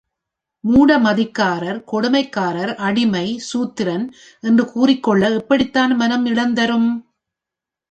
மூட மதிக்காரர், கொடுமைக்காரர், அடிமை, சூத்திரன் என்று கூறிக்கொள்ள எப்படித்தான் மனம் இடந்தரும்?